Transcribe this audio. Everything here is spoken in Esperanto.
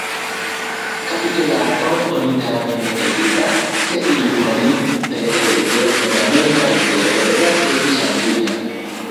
Kapitulacon oni tamen ne evitas, se iu onia treege fundamenta ideo devas esti ŝanĝita.